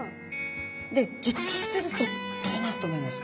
でじっとしてるとどうなると思いますか？